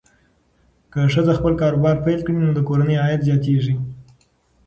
که ښځه خپل کاروبار پیل کړي، نو د کورنۍ عاید زیاتېږي.